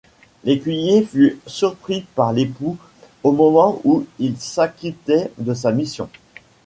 L'écuyer fut surpris par l'époux au moment où il s'acquittait de sa mission.